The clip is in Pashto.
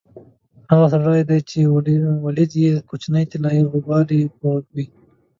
هغه سړی دې ولید چې کوچنۍ طلایي غوږوالۍ یې په غوږ وې؟